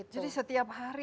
jadi setiap hari